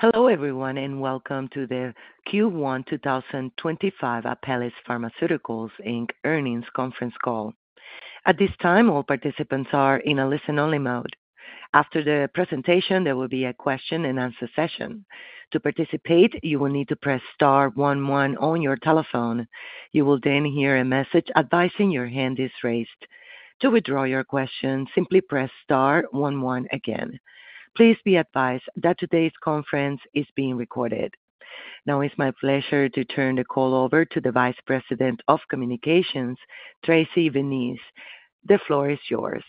Hello everyone and welcome to the Q1 2025 Apellis Pharmaceuticals earnings conference call. At this time, all participants are in a listen-only mode. After the presentation, there will be a Question-and-Answer session. To participate, you will need to press star one one on your telephone. You will then hear a message advising your hand is raised. To withdraw your question, simply press star one one again. Please be advised that today's conference is being recorded. Now, it's my pleasure to turn the call over to the Vice President of Communications, Tracy Vineis. The floor is yours.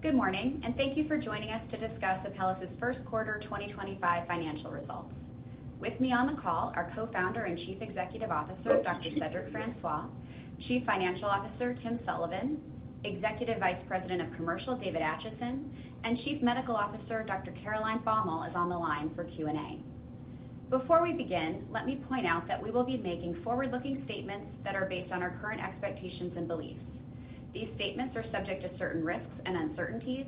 Good morning, and thank you for joining us to discuss Apellis' first quarter 2025 financial results. With me on the call are Co-Founder and Chief Executive Officer Dr. Cedric Francois, Chief Financial Officer Tim Sullivan, Executive Vice President of Commercial David Acheson, and Chief Medical Officer Dr. Caroline Baumal is on the line for Q&A. Before we begin, let me point out that we will be making forward-looking statements that are based on our current expectations and beliefs. These statements are subject to certain risks and uncertainties,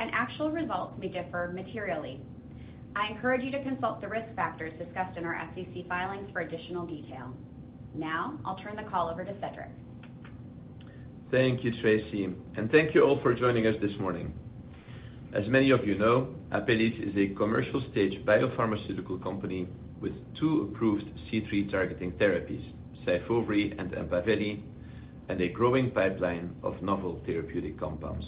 and actual results may differ materially. I encourage you to consult the risk factors discussed in our SEC filings for additional detail. Now, I'll turn the call over to Cedric. Thank you, Tracy, and thank you all for joining us this morning. As many of you know, Apellis is a commercial-stage biopharmaceutical company with two approved C3- targeting therapies, SYFOVRE and EMPAVELI, and a growing pipeline of novel therapeutic compounds.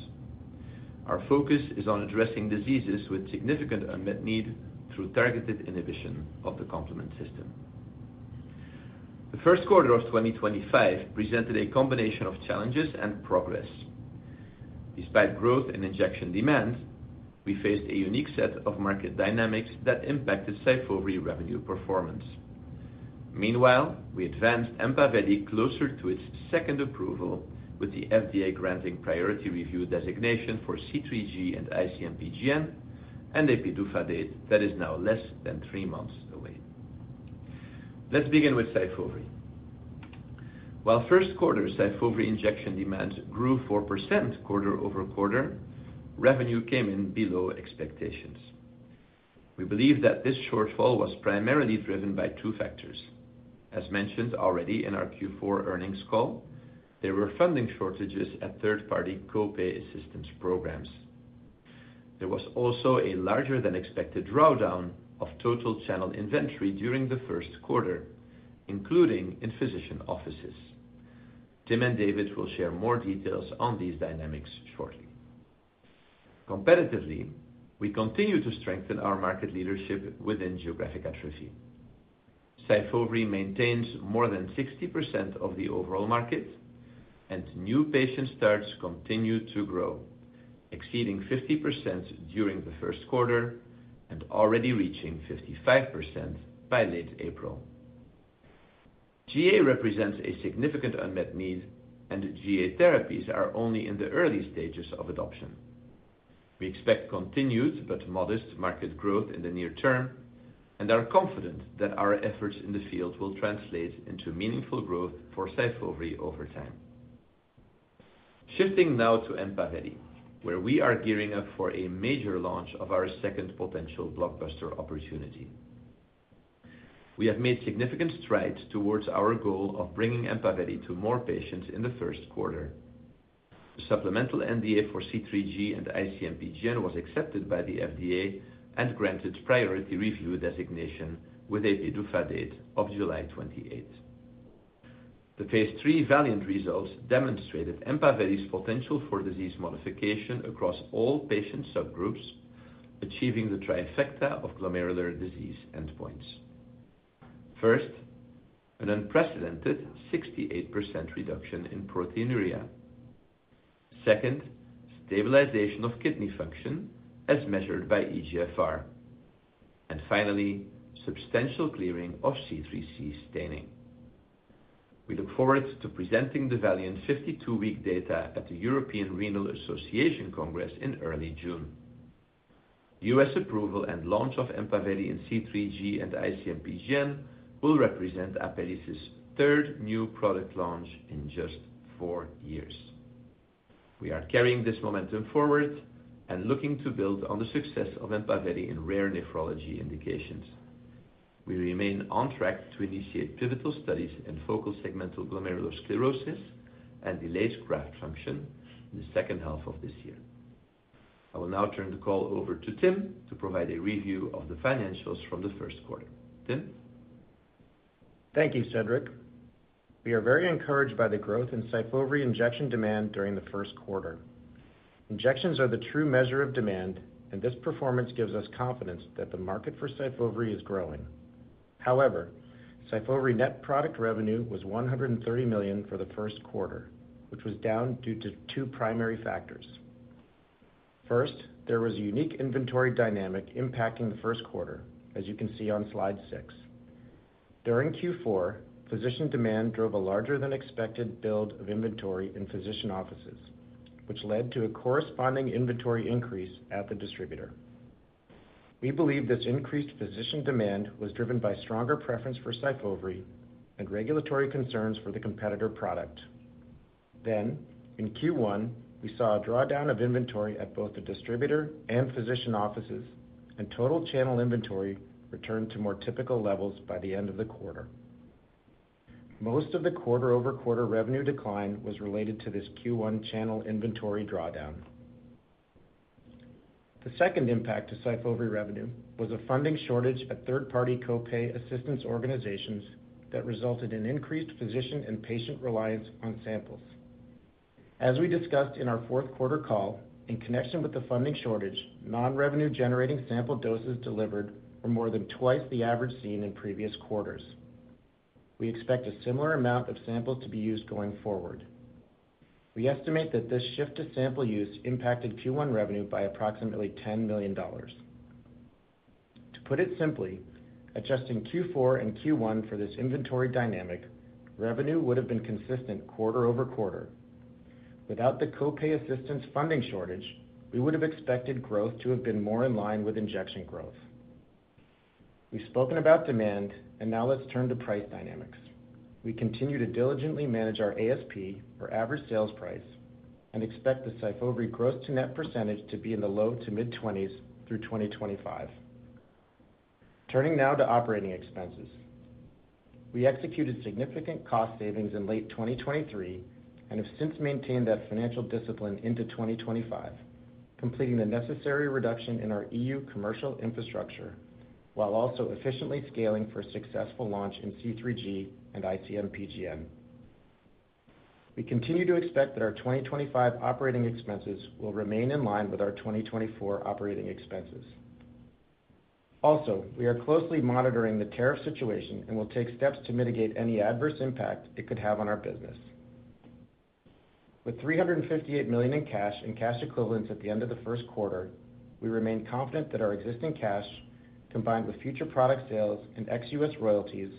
Our focus is on addressing diseases with significant unmet need through targeted inhibition of the complement system. The first quarter of 2025 presented a combination of challenges and progress. Despite growth in injection demand, we faced a unique set of market dynamics that impacted SYFOVRE revenue performance. Meanwhile, we advanced EMPAVELI closer to its second approval, with the FDA granting priority review designation for C3G and IC-MPGN, and a PDUFA date that is now less than three months away. Let's begin with SYFOVRE. While first quarter SYFOVRE injection demand grew 4% quarter over quarter, revenue came in below expectations. We believe that this shortfall was primarily driven by two factors. As mentioned already in our Q4 earnings call, there were funding shortages at third-party copay assistance programs. There was also a larger-than-expected drawdown of total channel inventory during the first quarter, including in physician offices. Tim and David will share more details on these dynamics shortly. Competitively, we continue to strengthen our market leadership within geographic atrophy. SYFOVRE maintains more than 60% of the overall market, and new patient starts continue to grow, exceeding 50% during the first quarter and already reaching 55% by late April. GA represents a significant unmet need, and GA therapies are only in the early stages of adoption. We expect continued but modest market growth in the near term, and are confident that our efforts in the field will translate into meaningful growth for SYFOVRE over time. Shifting now to EMPAVELI, where we are gearing up for a major launch of our second potential blockbuster opportunity. We have made significant strides towards our goal of bringing EMPAVELI to more patients in the first quarter. The supplemental NDA for C3G and IC-MPGN was accepted by the FDA and granted priority review designation with a PDUFA date of July 28. The phase III Valiant results demonstrated EMPAVELI's potential for disease modification across all patient subgroups, achieving the trifecta of glomerular disease endpoints. First, an unprecedented 68% reduction in proteinuria. Second, stabilization of kidney function as measured by eGFR. Finally, substantial clearing of C3c staining. We look forward to presenting the Valiant 52-week data at the European Renal Association Congress in early June. US approval and launch of EMPAVELI in C3G and IC-MPGN will represent Apellis' third new product launch in just four years. We are carrying this momentum forward and looking to build on the success of EMPAVELI in rare nephrology indications. We remain on track to initiate pivotal studies in focal segmental glomerulosclerosis and delayed graft function in the second half of this year. I will now turn the call over to Tim to provide a review of the financials from the first quarter. Tim? Thank you, Cedric. We are very encouraged by the growth in SYFOVRE injection demand during the first quarter. Injections are the true measure of demand, and this performance gives us confidence that the market for SYFOVRE is growing. However, SYFOVRE net product revenue was $130 million for the first quarter, which was down due to two primary factors. First, there was a unique inventory dynamic impacting the first quarter, as you can see on slide six. During Q4, physician demand drove a larger-than-expected build of inventory in physician offices, which led to a corresponding inventory increase at the distributor. We believe this increased physician demand was driven by stronger preference for SYFOVRE and regulatory concerns for the competitor product. In Q1, we saw a drawdown of inventory at both the distributor and physician offices, and total channel inventory returned to more typical levels by the end of the quarter. Most of the quarter-over-quarter revenue decline was related to this Q1 channel inventory drawdown. The second impact to SYFOVRE revenue was a funding shortage at third-party copay assistance organizations that resulted in increased physician and patient reliance on samples. As we discussed in our fourth quarter call, in connection with the funding shortage, non-revenue-generating sample doses delivered were more than twice the average seen in previous quarters. We expect a similar amount of samples to be used going forward. We estimate that this shift to sample use impacted Q1 revenue by approximately $10 million. To put it simply, adjusting Q4 and Q1 for this inventory dynamic, revenue would have been consistent quarter over quarter. Without the copay assistance funding shortage, we would have expected growth to have been more in line with injection growth. We've spoken about demand, and now let's turn to price dynamics. We continue to diligently manage our ASP, or average sales price, and expect the SYFOVRE gross-to-net percentage to be in the low to mid-20% through 2025. Turning now to operating expenses. We executed significant cost savings in late 2023 and have since maintained that financial discipline into 2025, completing the necessary reduction in our EU commercial infrastructure while also efficiently scaling for a successful launch in C3G and IC-MPGN. We continue to expect that our 2025 operating expenses will remain in line with our 2024 operating expenses. Also, we are closely monitoring the tariff situation and will take steps to mitigate any adverse impact it could have on our business. With $358 million in cash and cash equivalents at the end of the first quarter, we remain confident that our existing cash, combined with future product sales and ex-U.S. royalties,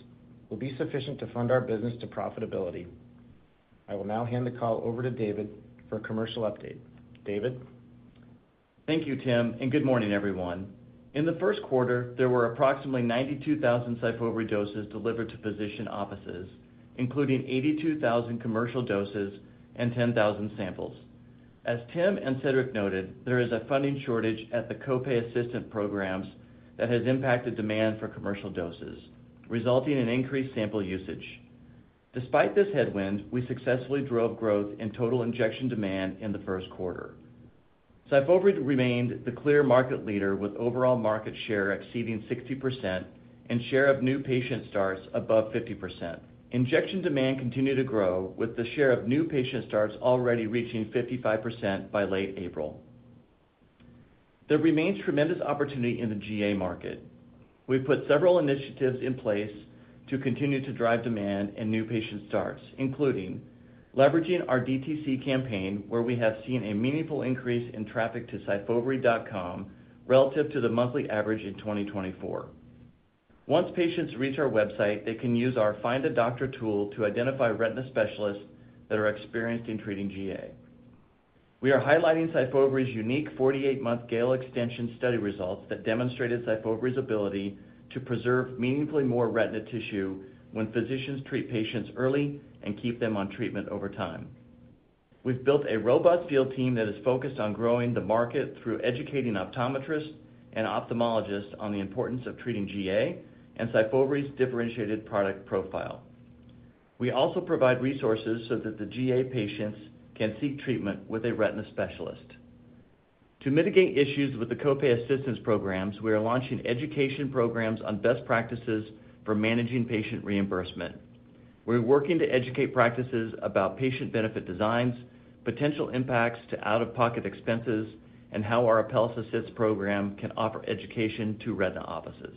will be sufficient to fund our business to eGFR. I will now hand the call over to David for a commercial update. David? Thank you, Tim, and good morning, everyone. In the first quarter, there were approximately 92,000 SYFOVRE doses delivered to physician offices, including 82,000 commercial doses and 10,000 samples. As Tim and Cedric noted, there is a funding shortage at the copay assistance programs that has impacted demand for commercial doses, resulting in increased sample usage. Despite this headwind, we successfully drove growth in total injection demand in the first quarter. SYFOVRE remained the clear market leader with overall market share exceeding 60% and share of new patient starts above 50%. Injection demand continued to grow, with the share of new patient starts already reaching 55% by late April. There remains tremendous opportunity in the GA market. We've put several initiatives in place to continue to drive demand and new patient starts, including leveraging our DTC campaign, where we have seen a meaningful increase in traffic to syfovre.com relative to the monthly average in 2024. Once patients reach our website, they can use our Find a Doctor tool to identify retina specialists that are experienced in treating GA. We are highlighting SYFOVRE's unique 48-month GALE extension study results that demonstrated SYFOVRE's ability to preserve meaningfully more retina tissue when physicians treat patients early and keep them on treatment over time. We've built a robust field team that is focused on growing the market through educating optometrists and ophthalmologists on the importance of treating GA and SYFOVRE's differentiated product profile. We also provide resources so that the GA patients can seek treatment with a retina specialist. To mitigate issues with the copay assistance programs, we are launching education programs on best practices for managing patient reimbursement. We're working to educate practices about patient benefit designs, potential impacts to out-of-pocket expenses, and how our Apellis Assist program can offer education to retina offices.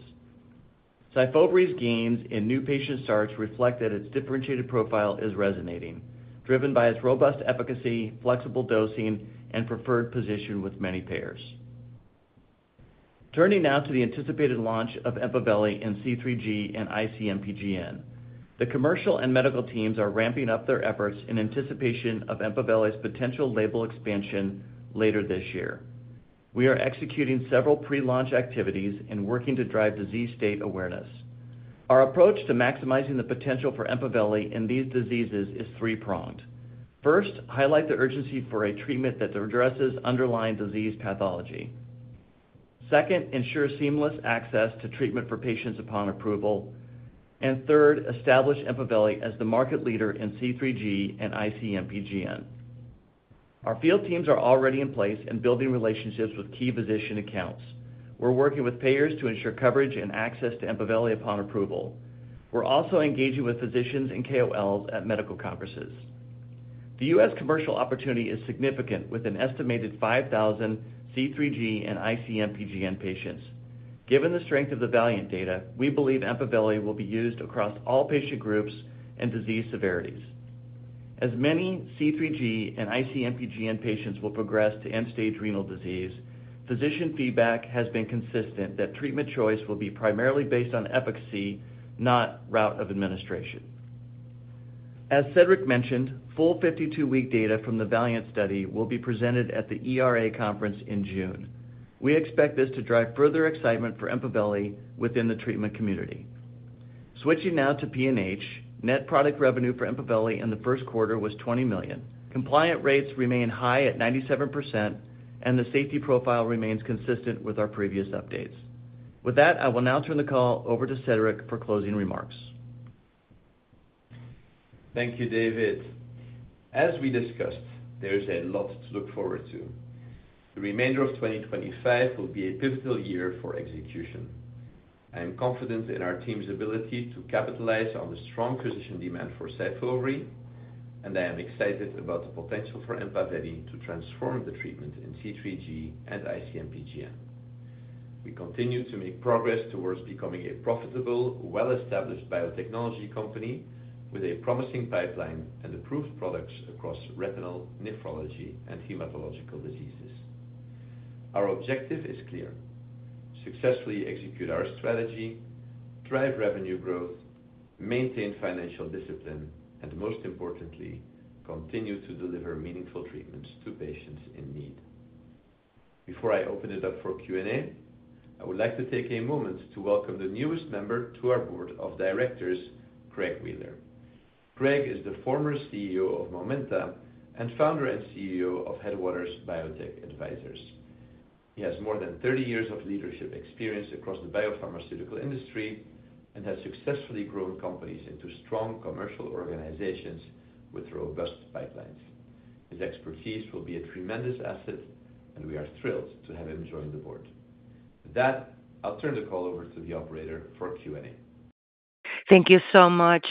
SYFOVRE's gains in new patient starts reflect that its differentiated profile is resonating, driven by its robust efficacy, flexible dosing, and preferred position with many payers. Turning now to the anticipated launch of EMPAVELI in C3G and IC-MPGN. The commercial and medical teams are ramping up their efforts in anticipation of EMPAVELI's potential label expansion later this year. We are executing several pre-launch activities and working to drive disease state awareness. Our approach to maximizing the potential for EMPAVELI in these diseases is three-pronged. First, highlight the urgency for a treatment that addresses underlying disease pathology. Second, ensure seamless access to treatment for patients upon approval. Third, establish EMPAVELI as the market leader in C3G and IC-MPGN. Our field teams are already in place and building relationships with key physician accounts. We are working with payers to ensure coverage and access to EMPAVELI upon approval. We are also engaging with physicians and KOLs at medical conferences. The U.S. commercial opportunity is significant with an estimated 5,000 C3G and IC-MPGN patients. Given the strength of the Valiant data, we believe EMPAVELI will be used across all patient groups and disease severities. As many C3G and IC-MPGN patients will progress to end-stage renal disease, physician feedback has been consistent that treatment choice will be primarily based on efficacy, not route of administration. As Cedric mentioned, full 52-week data from the Valiant study will be presented at the ERA conference in June. We expect this to drive further excitement for EMPAVELI within the treatment community. Switching now to PNH, net product revenue for EMPAVELI in the first quarter was $20 million. Compliance rates remain high at 97%, and the safety profile remains consistent with our previous updates. With that, I will now turn the call over to Cedric for closing remarks. Thank you, David. As we discussed, there is a lot to look forward to. The remainder of 2025 will be a pivotal year for execution. I am confident in our team's ability to capitalize on the strong physician demand for SYFOVRE, and I am excited about the potential for EMPAVELI to transform the treatment in C3G and IC-MPGN. We continue to make progress towards becoming a profitable, well-established biotechnology company with a promising pipeline and approved products across retinal, nephrology, and hematological diseases. Our objective is clear: successfully execute our strategy, drive revenue growth, maintain financial discipline, and most importantly, continue to deliver meaningful treatments to patients in need. Before I open it up for Q&A, I would like to take a moment to welcome the newest member to our board of directors, Craig Wheeler. Craig is the former CEO of Momenta Pharmaceuticals and founder and CEO of Headwaters Biotech Advisors. He has more than 30 years of leadership experience across the biopharmaceutical industry and has successfully grown companies into strong commercial organizations with robust pipelines. His expertise will be a tremendous asset, and we are thrilled to have him join the board. With that, I'll turn the call over to the operator for Q&A. Thank you so much.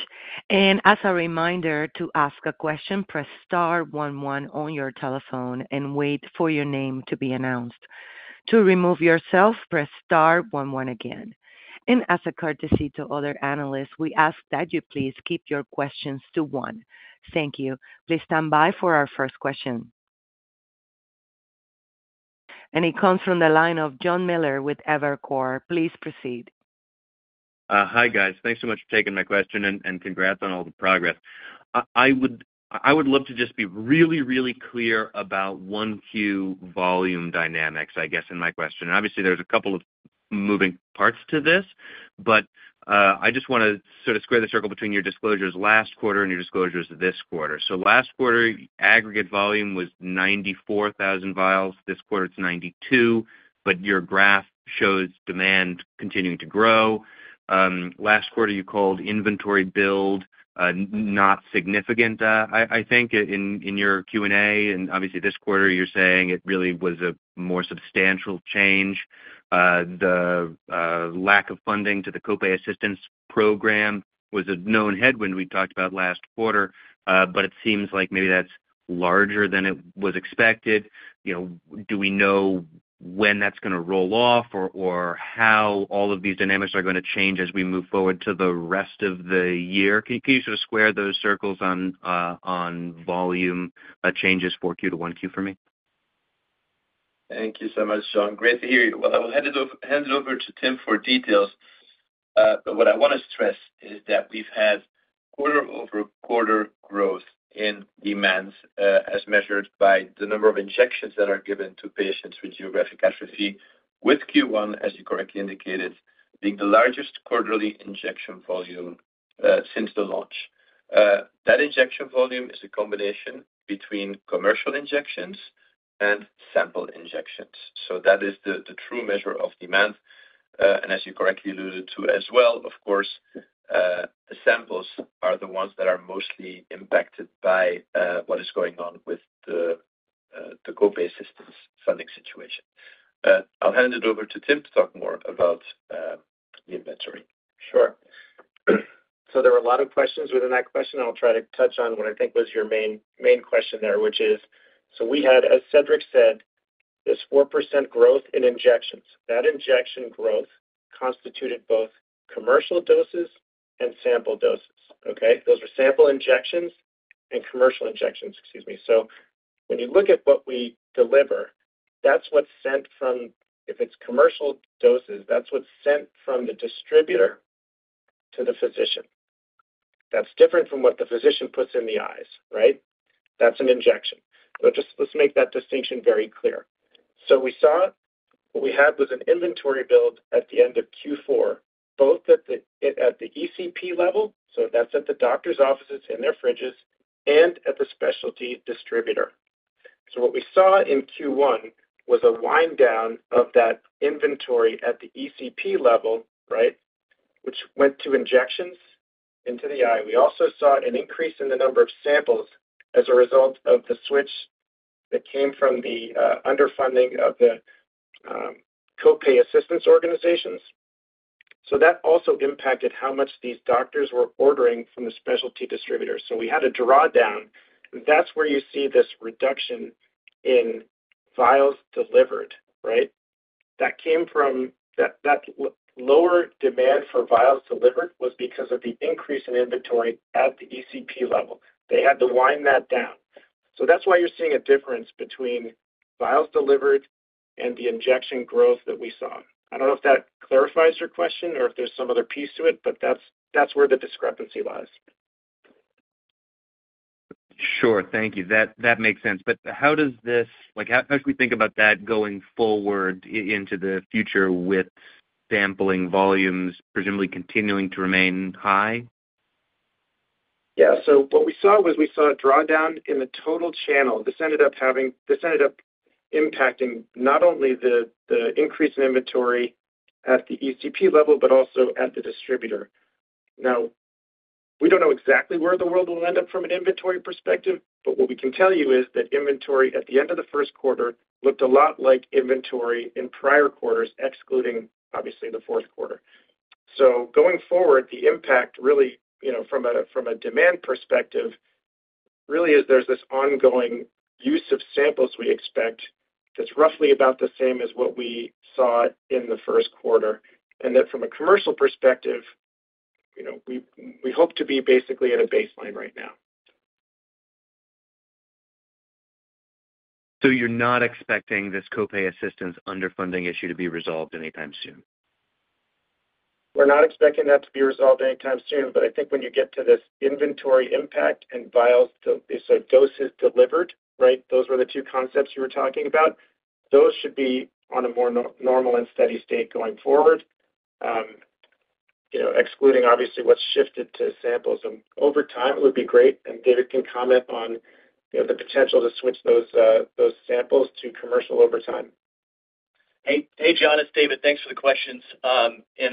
As a reminder, to ask a question, press star one one on your telephone and wait for your name to be announced. To remove yourself, press star one one again. As a courtesy to other analysts, we ask that you please keep your questions to one. Thank you. Please stand by for our first question. It comes from the line of John Miller with Evercore. Please proceed. Hi, guys. Thanks so much for taking my question and congrats on all the progress. I would love to just be really, really clear about one-queue volume dynamics, I guess, in my question. Obviously, there's a couple of moving parts to this, but I just want to sort of square the circle between your disclosures last quarter and your disclosures this quarter. Last quarter, aggregate volume was 94,000 vials. This quarter, it's 92,000 vials, but your graph shows demand continuing to grow. Last quarter, you called inventory build not significant, I think, in your Q&A. Obviously, this quarter, you're saying it really was a more substantial change. The lack of funding to the copay assistance program was a known headwind we talked about last quarter, but it seems like maybe that's larger than it was expected. Do we know when that's going to roll off or how all of these dynamics are going to change as we move forward to the rest of the year? Can you sort of square those circles on volume changes for Q to one-Q for me? Thank you so much, John. Great to hear you. I will hand it over to Tim for details. What I want to stress is that we've had quarter-over-quarter growth in demand as measured by the number of injections that are given to patients with geographic atrophy, with Q1, as you correctly indicated, being the largest quarterly injection volume since the launch. That injection volume is a combination between commercial injections and sample injections. That is the true measure of demand. As you correctly alluded to as well, of course, the samples are the ones that are mostly impacted by what is going on with the copay assistance funding situation. I'll hand it over to Tim to talk more about the inventory. Sure. There were a lot of questions within that question. I'll try to touch on what I think was your main question there, which is, we had, as Cedric said, this 4% growth in injections. That injection growth constituted both commercial doses and sample doses. Okay? Those were sample injections and commercial injections, excuse me. When you look at what we deliver, that's what's sent from, if it's commercial doses, that's what's sent from the distributor to the physician. That's different from what the physician puts in the eyes, right? That's an injection. Let's make that distinction very clear. We saw what we had was an inventory build at the end of Q4, both at the ECP level, so that's at the doctor's offices in their fridges, and at the specialty distributor. What we saw in Q1 was a wind down of that inventory at the ECP level, right, which went to injections into the eye. We also saw an increase in the number of samples as a result of the switch that came from the underfunding of the copay assistance organizations. That also impacted how much these doctors were ordering from the specialty distributor. We had a drawdown. That is where you see this reduction in vials delivered, right? That lower demand for vials delivered was because of the increase in inventory at the ECP level. They had to wind that down. That is why you are seeing a difference between vials delivered and the injection growth that we saw. I do not know if that clarifies your question or if there is some other piece to it, but that is where the discrepancy lies. Sure. Thank you. That makes sense. How should we think about that going forward into the future with sampling volumes presumably continuing to remain high? Yeah. What we saw was we saw a drawdown in the total channel. This ended up having, this ended up impacting not only the increase in inventory at the ECP level, but also at the distributor. Now, we do not know exactly where the world will end up from an inventory perspective, but what we can tell you is that inventory at the end of the first quarter looked a lot like inventory in prior quarters, excluding, obviously, the fourth quarter. Going forward, the impact really, from a demand perspective, really is there is this ongoing use of samples we expect that is roughly about the same as what we saw in the first quarter. From a commercial perspective, we hope to be basically at a baseline right now. You're not expecting this copay assistance underfunding issue to be resolved anytime soon? We're not expecting that to be resolved anytime soon. I think when you get to this inventory impact and vials, so doses delivered, right, those were the two concepts you were talking about. Those should be on a more normal and steady state going forward, excluding, obviously, what's shifted to samples over time. It would be great. David can comment on the potential to switch those samples to commercial over time. Hey, John. It's David. Thanks for the questions. I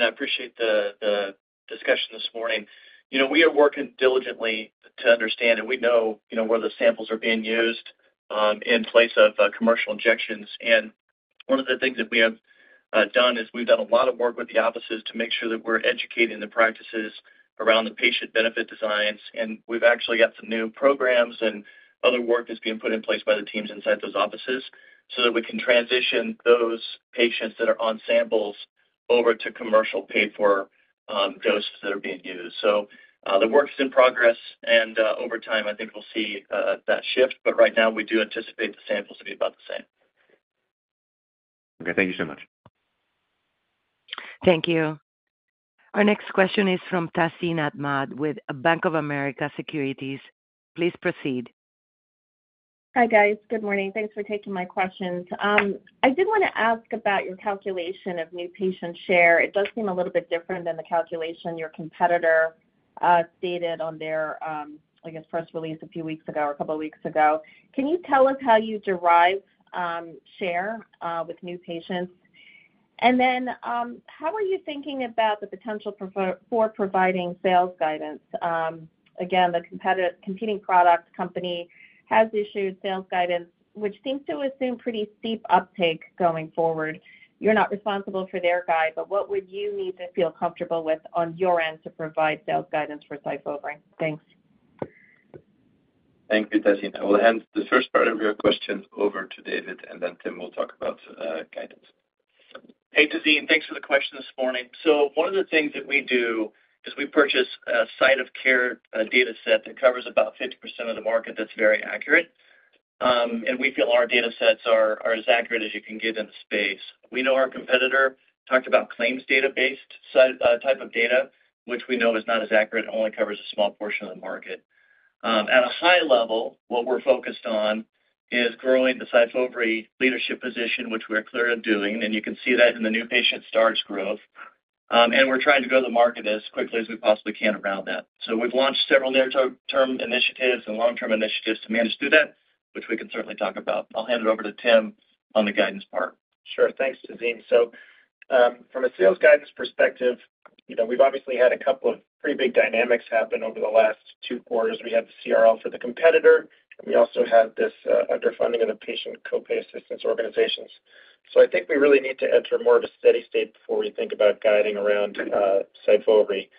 appreciate the discussion this morning. We are working diligently to understand, and we know where the samples are being used in place of commercial injections. One of the things that we have done is we've done a lot of work with the offices to make sure that we're educating the practices around the patient benefit designs. We've actually got some new programs and other work that's being put in place by the teams inside those offices so that we can transition those patients that are on samples over to commercial paid-for doses that are being used. The work is in progress. Over time, I think we'll see that shift. Right now, we do anticipate the samples to be about the same. Okay. Thank you so much. Thank you. Our next question is from Tazeen Ahmad with Bank of America Securities. Please proceed. Hi, guys. Good morning. Thanks for taking my questions. I did want to ask about your calculation of new patient share. It does seem a little bit different than the calculation your competitor stated on their, I guess, first release a few weeks ago or a couple of weeks ago. Can you tell us how you derive share with new patients? How are you thinking about the potential for providing sales guidance? Again, the competing product company has issued sales guidance, which seems to assume pretty steep uptake going forward. You're not responsible for their guide, but what would you need to feel comfortable with on your end to provide sales guidance for SYFOVRE? Thanks. Thank you, Tazeen. I will hand the first part of your questions over to David, and then Tim will talk about guidance. Hey, Tazeen. Thanks for the question this morning. One of the things that we do is we purchase a site of care dataset that covers about 50% of the market that's very accurate. We feel our datasets are as accurate as you can get in the space. We know our competitor talked about claims database type of data, which we know is not as accurate and only covers a small portion of the market. At a high level, what we're focused on is growing the SYFOVRE leadership position, which we're clearly doing. You can see that in the new patient starts growth. We're trying to go to the market as quickly as we possibly can around that. We have launched several near-term initiatives and long-term initiatives to manage through that, which we can certainly talk about. I'll hand it over to Tim on the guidance part. Sure. Thanks, Tazeen. From a sales guidance perspective, we've obviously had a couple of pretty big dynamics happen over the last two quarters. We had the CRL for the competitor, and we also had this underfunding of the patient copay assistance organizations. I think we really need to enter more of a steady state before we think about guiding around SYFOVRE.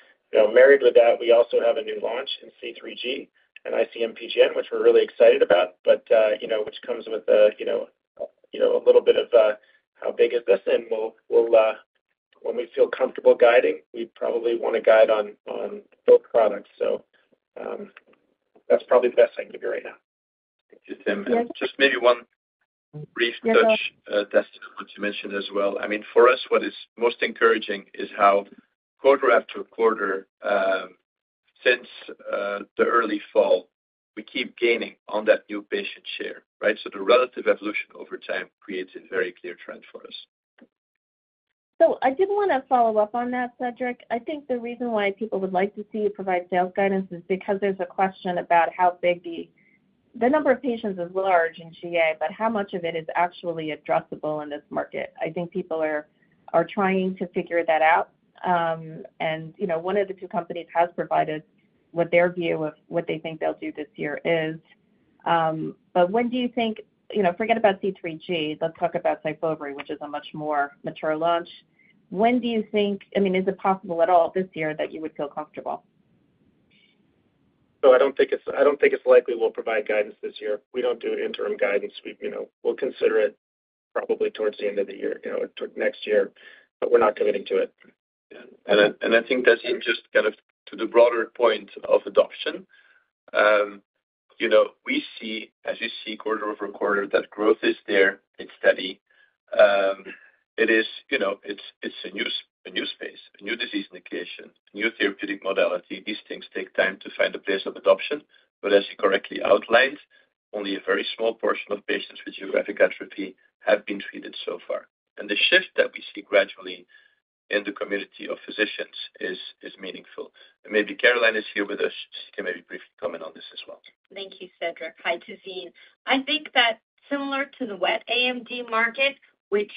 Married with that, we also have a new launch in C3G and IC-MPGN, which we're really excited about, but which comes with a little bit of how big is this. When we feel comfortable guiding, we probably want to guide on both products. That's probably the best thing to do right now. Thank you, Tim. And just maybe one brief touch on what you mentioned as well. I mean, for us, what is most encouraging is how quarter after quarter, since the early fall, we keep gaining on that new patient share, right? So the relative evolution over time creates a very clear trend for us. So I did want to follow up on that, Cedric. I think the reason why people would like to see you provide sales guidance is because there's a question about how big the number of patients is large in GA, but how much of it is actually addressable in this market. I think people are trying to figure that out. One of the two companies has provided what their view of what they think they'll do this year is. When do you think, forget about C3G, let's talk about SYFOVRE, which is a much more mature launch. When do you think, I mean, is it possible at all this year that you would feel comfortable? I don't think it's likely we'll provide guidance this year. We don't do interim guidance. We'll consider it probably towards the end of the year, next year, but we're not committing to it. I think, Tazeen, just kind of to the broader point of adoption, we see, as you see quarter over quarter, that growth is there. It's steady. It's a new space, a new disease indication, a new therapeutic modality. These things take time to find a place of adoption. As you correctly outlined, only a very small portion of patients with geographic atrophy have been treated so far. The shift that we see gradually in the community of physicians is meaningful. Maybe Caroline is here with us. She can maybe briefly comment on this as well. Thank you, Cedric. Hi, Tahsin. I think that similar to the wet AMD market, which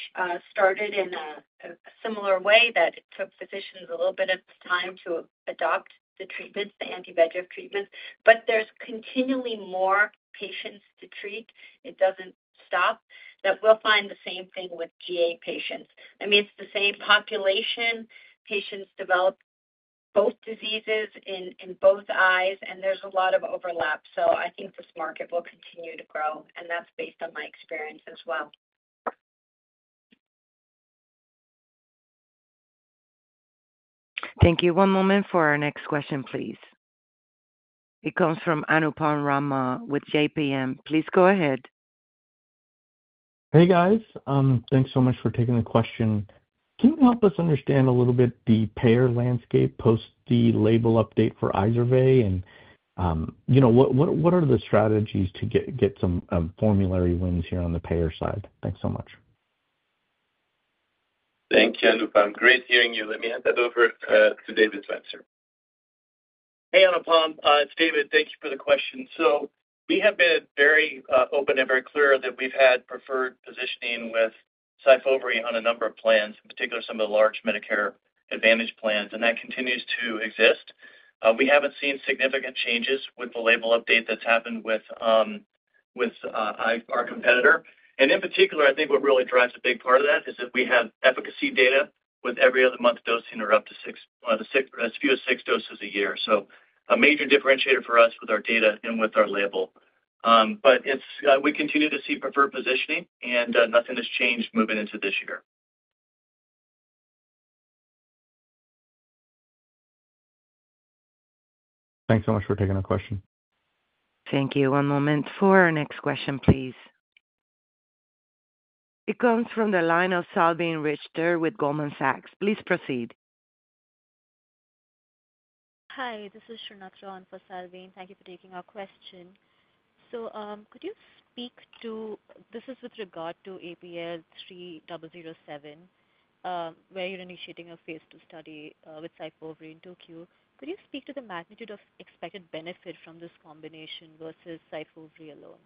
started in a similar way, it took physicians a little bit of time to adopt the treatments, the anti-VEGF treatments, but there's continually more patients to treat. It doesn't stop. I think we'll find the same thing with GA patients. I mean, it's the same population. Patients develop both diseases in both eyes, and there's a lot of overlap. I think this market will continue to grow. That's based on my experience as well. Thank you. One moment for our next question, please. It comes from Anupam Rama with JPM. Please go ahead. Hey, guys. Thanks so much for taking the question. Can you help us understand a little bit the payer landscape post the label update for IZERVAY? And what are the strategies to get some formulary wins here on the payer side? Thanks so much. Thank you, Anupam. Great hearing you. Let me hand that over to David to answer. Hey, Anupam. It's David. Thank you for the question. We have been very open and very clear that we've had preferred positioning with SYFOVRE on a number of plans, in particular some of the large Medicare Advantage plans. That continues to exist. We haven't seen significant changes with the label update that's happened with our competitor. In particular, I think what really drives a big part of that is that we have efficacy data with every other month dosing or up to six doses a year. A major differentiator for us with our data and with our label. We continue to see preferred positioning, and nothing has changed moving into this year. Thanks so much for taking the question. Thank you. One moment for our next question, please. It comes from the line of Salveen Richter with Goldman Sachs. Please proceed. Hi. This is Srinathrao for Salveen. Thank you for taking our question. Could you speak to, this is with regard to APL-3007, where you're initiating a phase II study with SYFOVRE into Q. Could you speak to the magnitude of expected benefit from this combination versus SYFOVRE alone?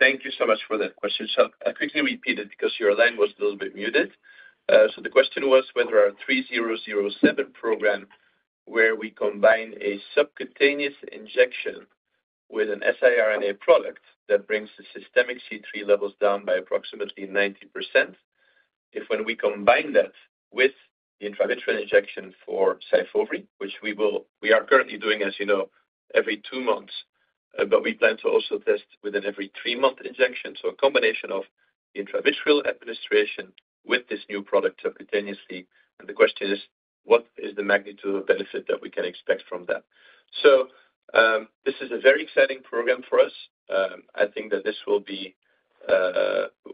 Thank you so much for that question. I will quickly repeat it because your line was a little bit muted. The question was whether our 3007 program, where we combine a subcutaneous injection with an siRNA product that brings the systemic C3 levels down by approximately 90%, if when we combine that with the intravitreal injection for SYFOVRE, which we are currently doing, as you know, every two months, but we plan to also test with an every three-month injection. A combination of intravitreal administration with this new product subcutaneously. The question is, what is the magnitude of benefit that we can expect from that? This is a very exciting program for us. I think that this will be,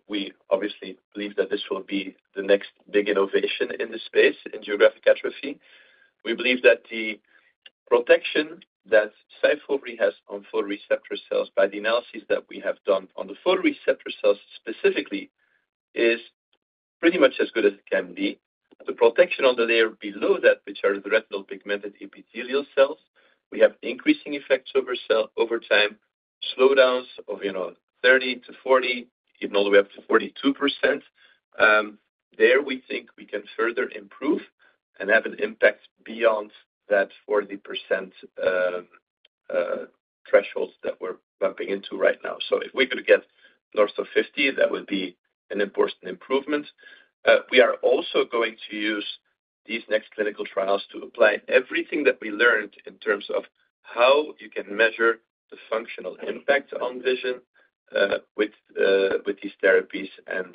we obviously believe that this will be the next big innovation in this space in geographic atrophy. We believe that the protection that SYFOVRE has on photoreceptor cells by the analysis that we have done on the photoreceptor cells specifically is pretty much as good as it can be. The protection on the layer below that, which are the retinal pigmented epithelial cells, we have increasing effects over time, slowdowns of 30%-40%, even all the way up to 42%. There we think we can further improve and have an impact beyond that 40% threshold that we're bumping into right now. If we could get north of 50%, that would be an important improvement. We are also going to use these next clinical trials to apply everything that we learned in terms of how you can measure the functional impact on vision with these therapies and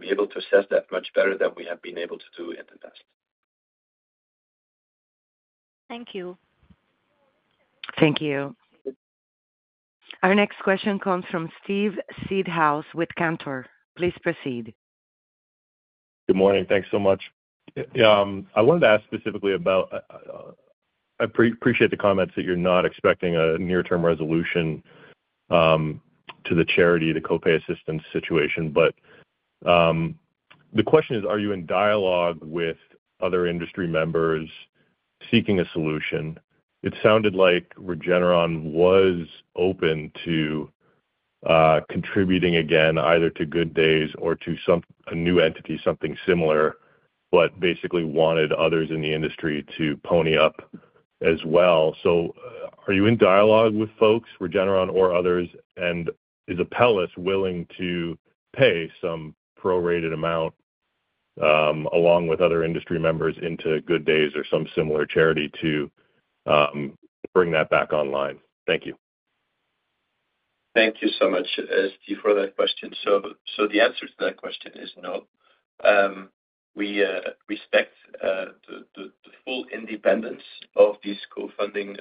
be able to assess that much better than we have been able to do in the past. Thank you. Thank you. Our next question comes from Steve Seedhouse with Cantor. Please proceed. Good morning. Thanks so much. I wanted to ask specifically about, I appreciate the comments that you're not expecting a near-term resolution to the charity, the copay assistance situation. The question is, are you in dialogue with other industry members seeking a solution? It sounded like Regeneron was open to contributing again, either to Good Days or to a new entity, something similar, but basically wanted others in the industry to pony up as well. Are you in dialogue with folks, Regeneron or others, and is Apellis willing to pay some prorated amount along with other industry members into Good Days or some similar charity to bring that back online? Thank you. Thank you so much, Steve, for that question. The answer to that question is no. We respect the full independence of these co-funding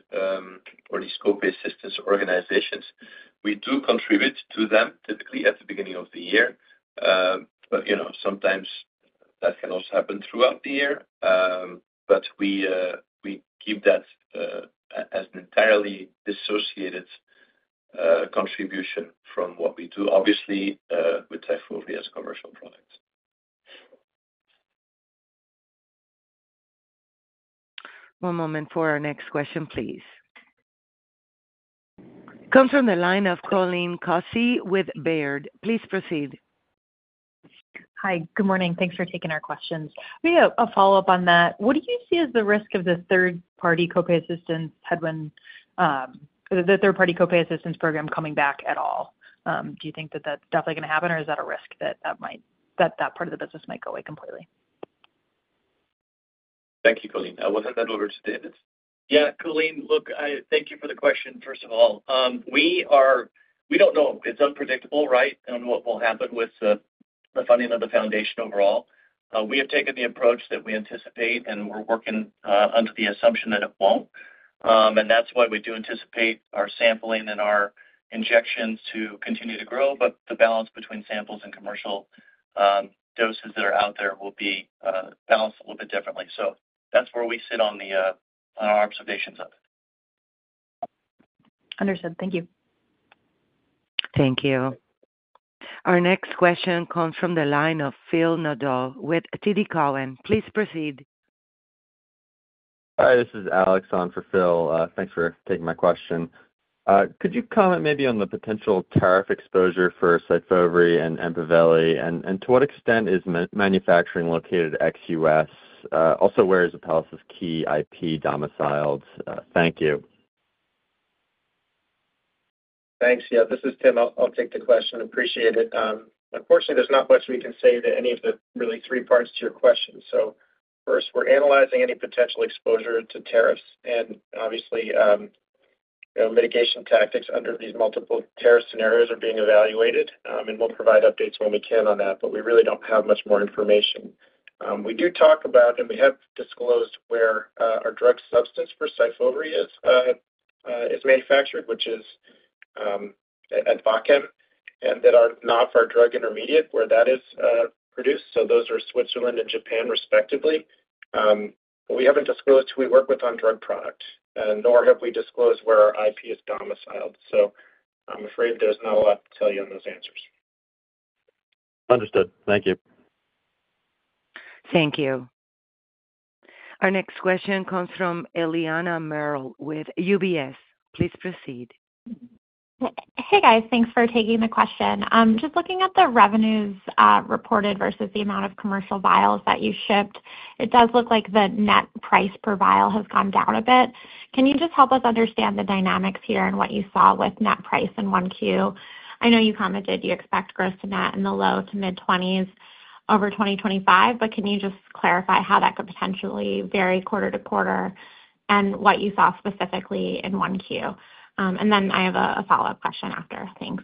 or these copay assistance organizations. We do contribute to them typically at the beginning of the year. Sometimes that can also happen throughout the year. We keep that as an entirely dissociated contribution from what we do, obviously, with SYFOVRE as a commercial product. One moment for our next question, please. It comes from the line of Colleen Kusy with Baird. Please proceed. Hi. Good morning. Thanks for taking our questions. We have a follow-up on that. What do you see as the risk of the third-party copay assistance headwind, the third-party copay assistance program coming back at all? Do you think that that's definitely going to happen, or is that a risk that that part of the business might go away completely? Thank you, Colleen. I will hand that over to David. Yeah. Colleen, look, thank you for the question, first of all. We don't know. It's unpredictable, right, and what will happen with the funding of the foundation overall. We have taken the approach that we anticipate, and we're working under the assumption that it won't. That's why we do anticipate our sampling and our injections to continue to grow. The balance between samples and commercial doses that are out there will be balanced a little bit differently. That's where we sit on our observations of it. Understood. Thank you. Thank you. Our next question comes from the line of Phil Nadeau with TD Cowen. Please proceed. Hi. This is Alex on for Phil. Thanks for taking my question. Could you comment maybe on the potential tariff exposure for SYFOVRE and EMPAVELI, and to what extent is manufacturing located at ex-U.S.? Also, where is Apellis's key IP domiciled? Thank you. Thanks. Yeah, this is Tim. I'll take the question. Appreciate it. Unfortunately, there's not much we can say to any of the really three parts to your question. First, we're analyzing any potential exposure to tariffs, and obviously, mitigation tactics under these multiple tariff scenarios are being evaluated. We'll provide updates when we can on that, but we really don't have much more information. We do talk about, and we have disclosed where our drug substance for SYFOVRE is manufactured, which is at Switzerland, and that our NAFA drug intermediate where that is produced. Those are Switzerland and Japan, respectively. We haven't disclosed who we work with on drug product, nor have we disclosed where our IP is domiciled. I'm afraid there's not a lot to tell you on those answers. Understood. Thank you. Thank you. Our next question comes from Eliana Merle with UBS. Please proceed. Hey, guys. Thanks for taking the question. Just looking at the revenues reported versus the amount of commercial vials that you shipped, it does look like the net price per vial has gone down a bit. Can you just help us understand the dynamics here and what you saw with net price in 1Q? I know you commented you expect gross to net in the low to mid-20% over 2025, but can you just clarify how that could potentially vary quarter to quarter and what you saw specifically in 1Q? I have a follow-up question after. Thanks.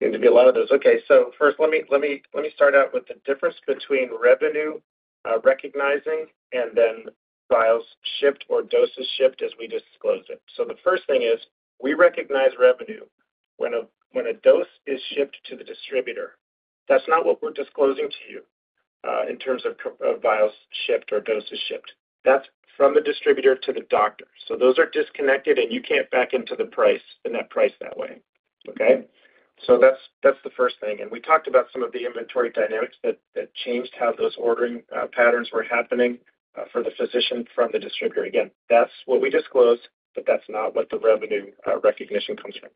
It could be a lot of those. Okay. First, let me start out with the difference between revenue recognizing and then vials shipped or doses shipped as we disclose it. The first thing is we recognize revenue when a dose is shipped to the distributor. That's not what we're disclosing to you in terms of vials shipped or doses shipped. That's from the distributor to the doctor. Those are disconnected, and you can't back into the price and that price that way. Okay? That's the first thing. We talked about some of the inventory dynamics that changed how those ordering patterns were happening for the physician from the distributor. Again, that's what we disclose, but that's not what the revenue recognition comes from.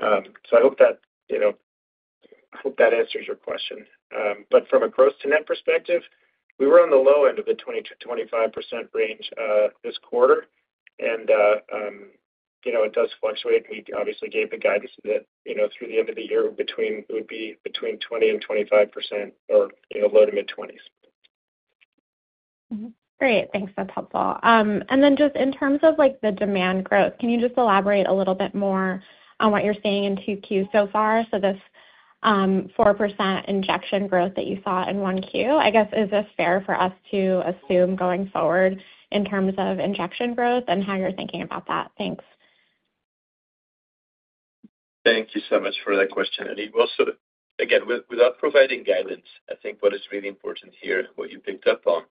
I hope that answers your question. From a gross to net perspective, we were on the low end of the 20%-25% range this quarter. It does fluctuate. We obviously gave the guidance that through the end of the year, it would be between 20% and 25% or low to mid-20s. Great. Thanks. That's helpful. And then just in terms of the demand growth, can you just elaborate a little bit more on what you're seeing in 2Q so far? So this 4% injection growth that you saw in 1Q, I guess, is this fair for us to assume going forward in terms of injection growth and how you're thinking about that? Thanks. Thank you so much for that question, Ellie. Again, without providing guidance, I think what is really important here, what you picked up on,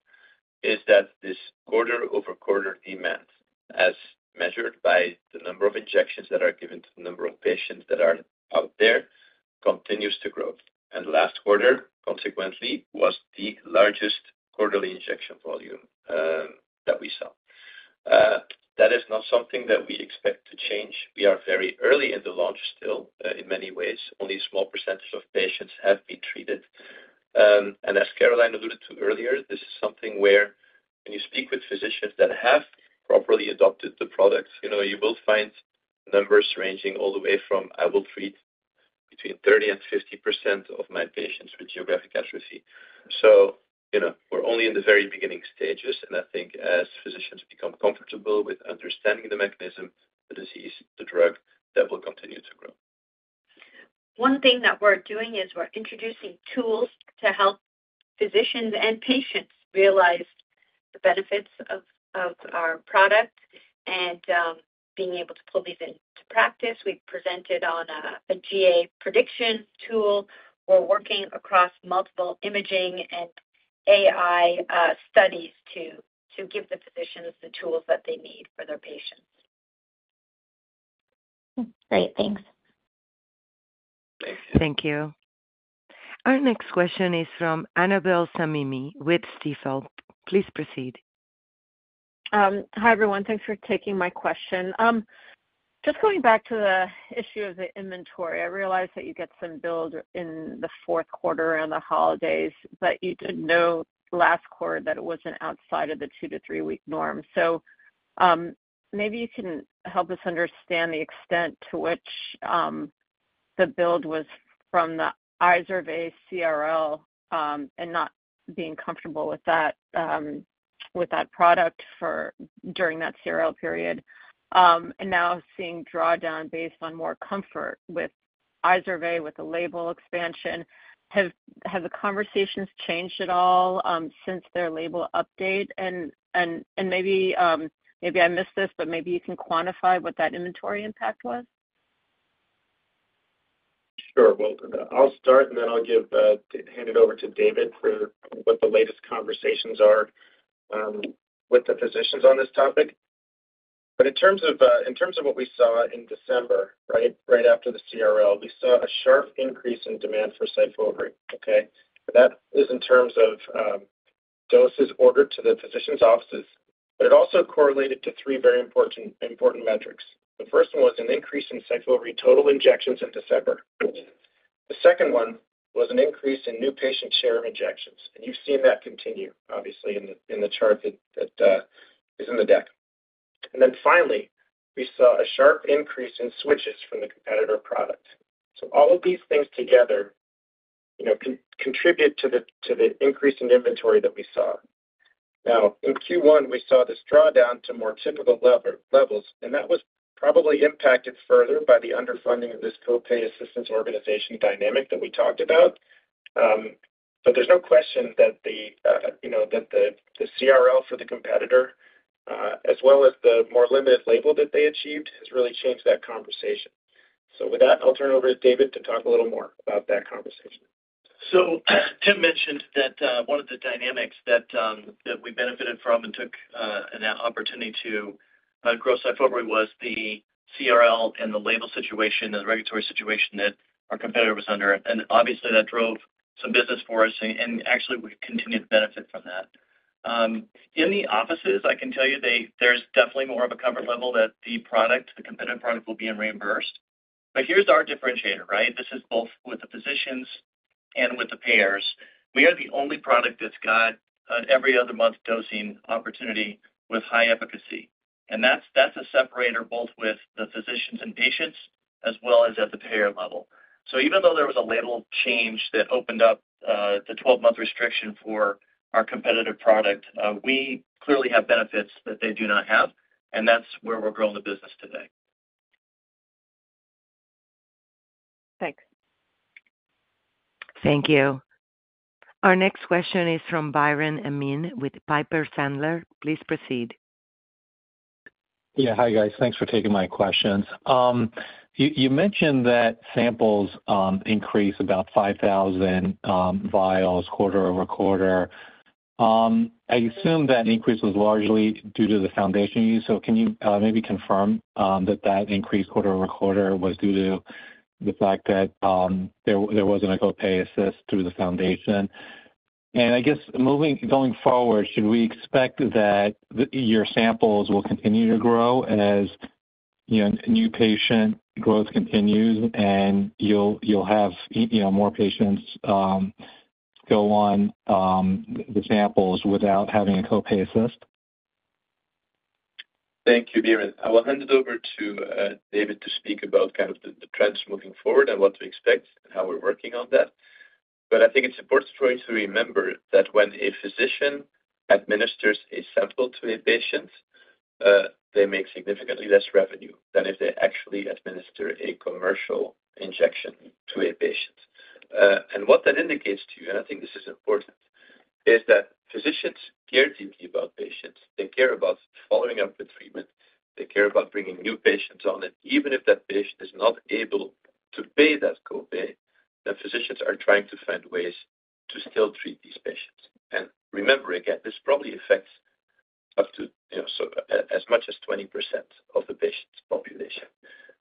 is that this quarter-over-quarter demand, as measured by the number of injections that are given to the number of patients that are out there, continues to grow. Last quarter, consequently, was the largest quarterly injection volume that we saw. That is not something that we expect to change. We are very early in the launch still, in many ways. Only a small percentage of patients have been treated. As Caroline alluded to earlier, this is something where when you speak with physicians that have properly adopted the product, you will find numbers ranging all the way from, I will treat between 30 and 50% of my patients with geographic atrophy. We are only in the very beginning stages. I think as physicians become comfortable with understanding the mechanism, the disease, the drug, that will continue to grow. One thing that we're doing is we're introducing tools to help physicians and patients realize the benefits of our product and being able to pull these into practice. We presented on a GA prediction tool. We're working across multiple imaging and AI studies to give the physicians the tools that they need for their patients. Great. Thanks. Thank you. Thank you. Our next question is from Annabel Samimy with Stifel. Please proceed. Hi, everyone. Thanks for taking my question. Just going back to the issue of the inventory, I realized that you get some build in the fourth quarter around the holidays, but you didn't know last quarter that it wasn't outside of the two to three-week norm. Maybe you can help us understand the extent to which the build was from the IZERVAY CRL and not being comfortable with that product during that CRL period. Now seeing drawdown based on more comfort with IZERVAY with the label expansion. Have the conversations changed at all since their label update? Maybe I missed this, but maybe you can quantify what that inventory impact was? Sure. I'll start, and then I'll hand it over to David for what the latest conversations are with the physicians on this topic. In terms of what we saw in December, right after the CRL, we saw a sharp increase in demand for SYFOVRE. That is in terms of doses ordered to the physician's offices. It also correlated to three very important metrics. The first one was an increase in SYFOVRE total injections in December. The second one was an increase in new patient share of injections. You've seen that continue, obviously, in the chart that is in the deck. Finally, we saw a sharp increase in switches from the competitor product. All of these things together contribute to the increase in inventory that we saw. Now, in Q1, we saw this drawdown to more typical levels, and that was probably impacted further by the underfunding of this copay assistance organization dynamic that we talked about. There is no question that the CRL for the competitor, as well as the more limited label that they achieved, has really changed that conversation. With that, I'll turn it over to David to talk a little more about that conversation. Tim mentioned that one of the dynamics that we benefited from and took an opportunity to grow SYFOVRE was the CRL and the label situation and the regulatory situation that our competitor was under. Obviously, that drove some business for us, and actually, we continued to benefit from that. In the offices, I can tell you there's definitely more of a comfort level that the product, the competitive product, will be reimbursed. Here's our differentiator, right? This is both with the physicians and with the payers. We are the only product that's got every other month dosing opportunity with high efficacy. That's a separator both with the physicians and patients as well as at the payer level. Even though there was a label change that opened up the 12-month restriction for our competitive product, we clearly have benefits that they do not have. That is where we're growing the business today. Thanks. Thank you. Our next question is from Biren Amin with Piper Sandler. Please proceed. Yeah. Hi, guys. Thanks for taking my questions. You mentioned that samples increase about 5,000 vials quarter-over-quarter. I assume that increase was largely due to the foundation use. Can you maybe confirm that that increase quarter-over-quarter was due to the fact that there was not a copay assist through the foundation? I guess going forward, should we expect that your samples will continue to grow as new patient growth continues and you will have more patients go on the samples without having a copay assist? Thank you, Biren. I will hand it over to David to speak about kind of the trends moving forward and what to expect and how we're working on that. I think it's important for you to remember that when a physician administers a sample to a patient, they make significantly less revenue than if they actually administer a commercial injection to a patient. What that indicates to you, and I think this is important, is that physicians care deeply about patients. They care about following up with treatment. They care about bringing new patients on. Even if that patient is not able to pay that copay, physicians are trying to find ways to still treat these patients. Remember, again, this probably affects up to as much as 20% of the patient's population.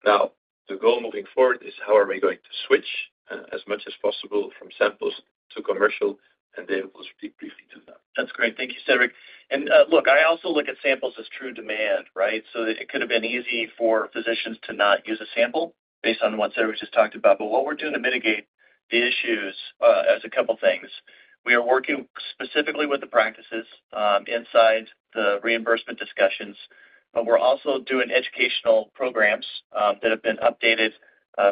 Now, the goal moving forward is how are we going to switch as much as possible from samples to commercial, and David will speak briefly to that. That's great. Thank you, Cedric. I also look at samples as true demand, right? It could have been easy for physicians to not use a sample based on what Cedric just talked about. What we're doing to mitigate the issues is a couple of things. We are working specifically with the practices inside the reimbursement discussions, but we're also doing educational programs that have been updated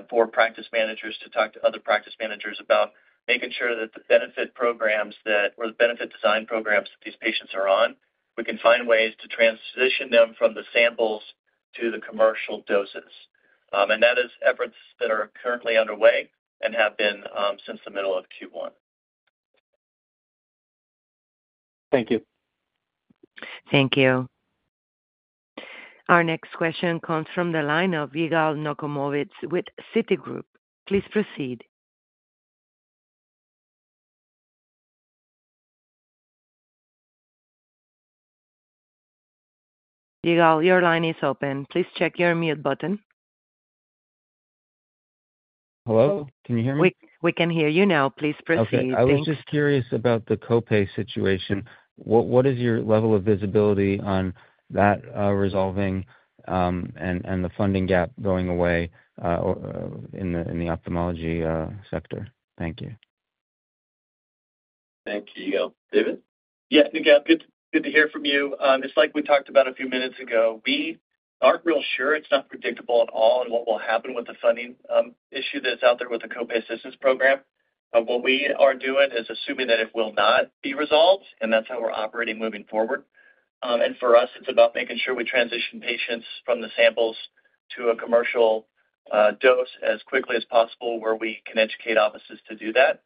for practice managers to talk to other practice managers about making sure that the benefit programs or the benefit design programs that these patients are on, we can find ways to transition them from the samples to the commercial doses. That is efforts that are currently underway and have been since the middle of Q1. Thank you. Thank you. Our next question comes from the line of Yigal Nochomovitz with Citi Group. Please proceed. Yigal, your line is open. Please check your mute button. Hello. Can you hear me? We can hear you now. Please proceed. I was just curious about the copay situation. What is your level of visibility on that resolving and the funding gap going away in the ophthalmology sector? Thank you. Thank you, Yigal. David? Yeah. Yigal, good to hear from you. Just like we talked about a few minutes ago, we aren't real sure. It's not predictable at all on what will happen with the funding issue that's out there with the copay assistance program. What we are doing is assuming that it will not be resolved, and that's how we're operating moving forward. For us, it's about making sure we transition patients from the samples to a commercial dose as quickly as possible where we can educate offices to do that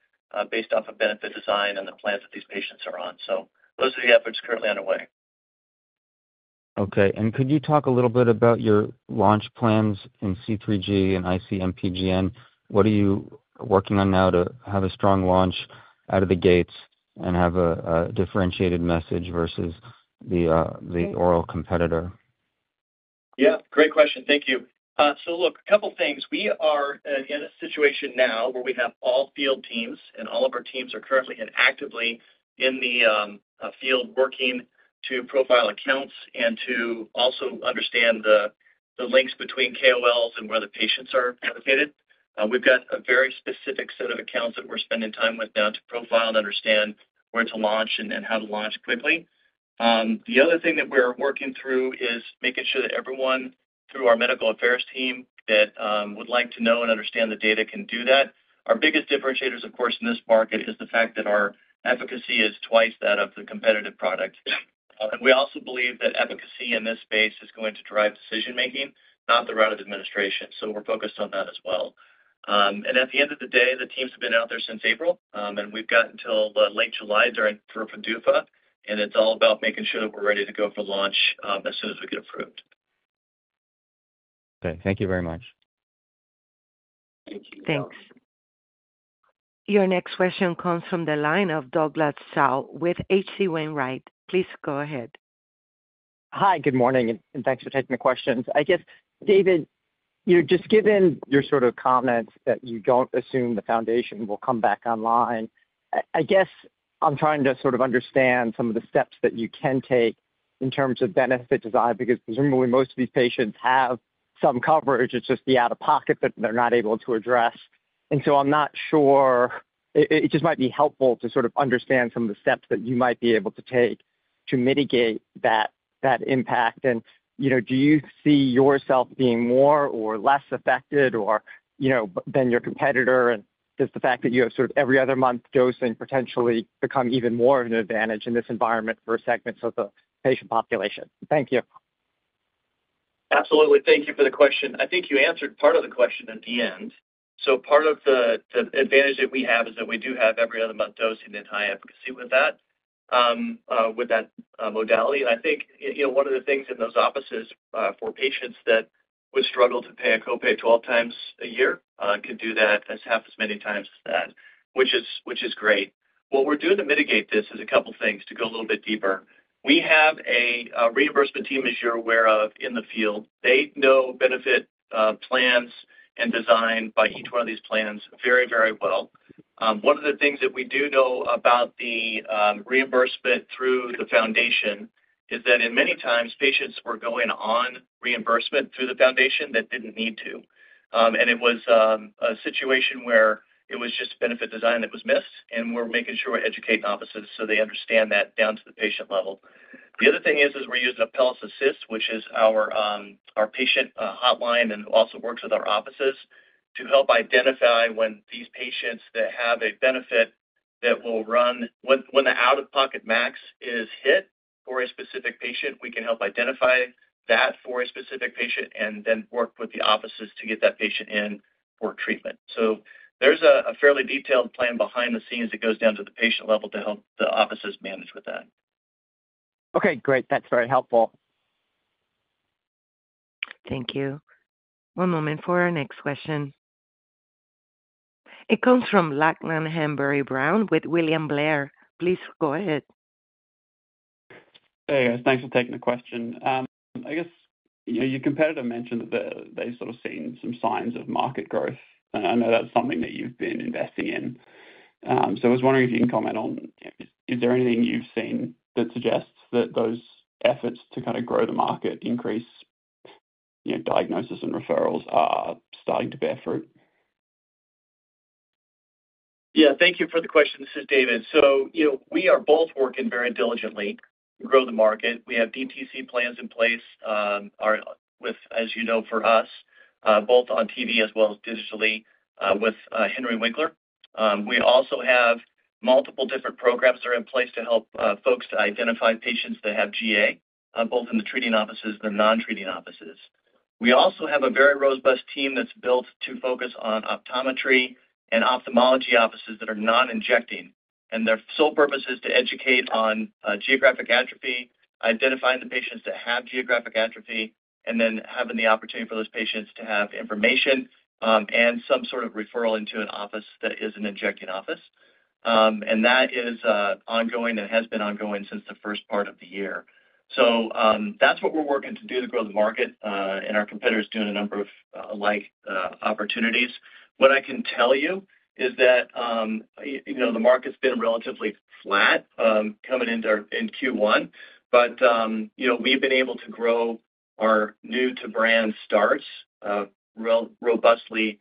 based off of benefit design and the plans that these patients are on. Those are the efforts currently underway. Okay. Could you talk a little bit about your launch plans in C3G and IC-MPGN? What are you working on now to have a strong launch out of the gates and have a differentiated message versus the oral competitor? Yeah. Great question. Thank you. Look, a couple of things. We are in a situation now where we have all field teams, and all of our teams are currently and actively in the field working to profile accounts and to also understand the links between KOLs and where the patients are located. We've got a very specific set of accounts that we're spending time with now to profile and understand where to launch and how to launch quickly. The other thing that we're working through is making sure that everyone through our medical affairs team that would like to know and understand the data can do that. Our biggest differentiators, of course, in this market is the fact that our efficacy is twice that of the competitive product. We also believe that efficacy in this space is going to drive decision-making, not the route of administration. We're focused on that as well. At the end of the day, the teams have been out there since April, and we've got until late July for PDUFA. It's all about making sure that we're ready to go for launch as soon as we get approved. Okay. Thank you very much. Thank you. Thanks. Your next question comes from the line of Douglas Tsao with HC Wainwright. Please go ahead. Hi, good morning, and thanks for taking the questions. I guess, David, just given your sort of comments that you do not assume the foundation will come back online, I guess I am trying to sort of understand some of the steps that you can take in terms of benefit design because presumably most of these patients have some coverage. It is just the out-of-pocket that they are not able to address. I am not sure, it just might be helpful to sort of understand some of the steps that you might be able to take to mitigate that impact. Do you see yourself being more or less affected than your competitor? Does the fact that you have sort of every other month dosing potentially become even more of an advantage in this environment for a segment of the patient population? Thank you. Absolutely. Thank you for the question. I think you answered part of the question at the end. Part of the advantage that we have is that we do have every other month dosing and high efficacy with that modality. I think one of the things in those offices for patients that would struggle to pay a copay 12 times a year could do that half as many times as that, which is great. What we are doing to mitigate this is a couple of things to go a little bit deeper. We have a reimbursement team, as you are aware of, in the field. They know benefit plans and design by each one of these plans very, very well. One of the things that we do know about the reimbursement through the foundation is that in many times, patients were going on reimbursement through the foundation that did not need to. It was a situation where it was just benefit design that was missed, and we are making sure we educate offices so they understand that down to the patient level. The other thing is we are using ApellisAssist, which is our patient hotline and also works with our offices to help identify when these patients that have a benefit that will run when the out-of-pocket max is hit for a specific patient, we can help identify that for a specific patient and then work with the offices to get that patient in for treatment. There is a fairly detailed plan behind the scenes that goes down to the patient level to help the offices manage with that. Okay. Great. That's very helpful. Thank you. One moment for our next question. It comes from Lachlan Hanbury Brown with William Blair. Please go ahead. Hey, guys. Thanks for taking the question. I guess your competitor mentioned that they've sort of seen some signs of market growth. I know that's something that you've been investing in. I was wondering if you can comment on, is there anything you've seen that suggests that those efforts to kind of grow the market, increase diagnosis and referrals, are starting to bear fruit? Yeah. Thank you for the question. This is David. We are both working very diligently to grow the market. We have DTC plans in place with, as you know, for us, both on TV as well as digitally with Henry Winkler. We also have multiple different programs that are in place to help folks identify patients that have GA, both in the treating offices and the non-treating offices. We also have a very robust team that is built to focus on optometry and ophthalmology offices that are non-injecting. Their sole purpose is to educate on geographic atrophy, identifying the patients that have geographic atrophy, and then having the opportunity for those patients to have information and some sort of referral into an office that is an injecting office. That is ongoing and has been ongoing since the first part of the year. That's what we're working to do to grow the market, and our competitors are doing a number of alike opportunities. What I can tell you is that the market's been relatively flat coming into Q1, but we've been able to grow our new-to-brand starts robustly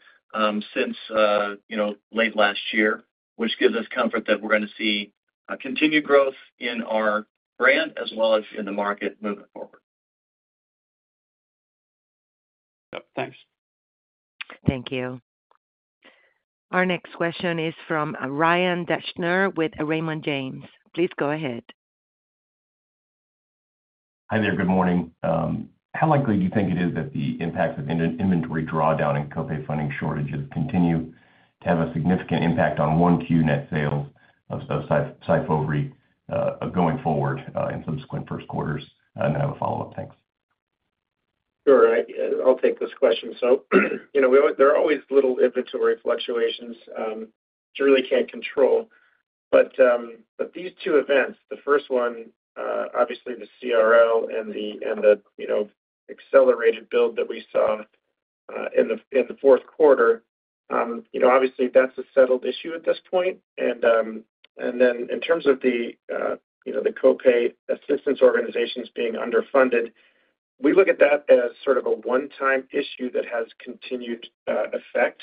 since late last year, which gives us comfort that we're going to see continued growth in our brand as well as in the market moving forward. Yep. Thanks. Thank you. Our next question is from Ryan Racine with Raymond James. Please go ahead. Hi there. Good morning. How likely do you think it is that the impacts of inventory drawdown and copay funding shortages continue to have a significant impact on Q1 net sales of SYFOVRE going forward in subsequent first quarters? I have a follow-up. Thanks. Sure. I'll take this question. There are always little inventory fluctuations that you really can't control. These two events, the first one, obviously the CRL and the accelerated build that we saw in the fourth quarter, obviously that's a settled issue at this point. In terms of the copay assistance organizations being underfunded, we look at that as sort of a one-time issue that has continued effect.